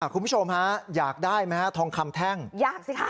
คุณผู้ชมฮะอยากได้ไหมฮะทองคำแท่งอยากสิคะ